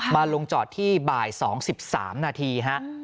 มาลงจอดที่บ่าย๒๓นาทีฮะ